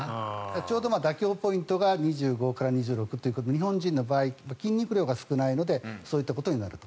ちょうど妥協ポイントが２５から２６ということで日本人の場合筋肉量が少ないのでそういったことになると。